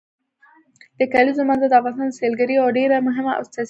د کلیزو منظره د افغانستان د سیلګرۍ یوه ډېره مهمه او اساسي برخه ده.